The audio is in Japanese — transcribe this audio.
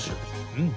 うん。